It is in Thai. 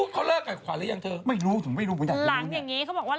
เขาเลิกกับขวานแล้วยังเธอไม่รู้ฉันไม่รู้หลังอย่างงี้เขาบอกว่า